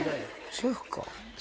シェフか。